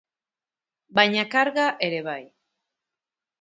Baina karga ere bai.